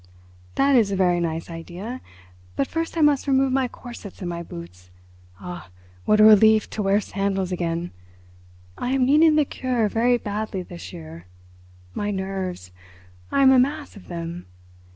"That is a very nice idea. But first I must remove my corsets and my boots. Ah, what a relief to wear sandals again. I am needing the 'cure' very badly this year. My nerves! I am a mass of them.